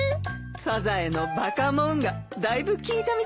サザエの「バカもん」がだいぶ効いたみたいだね。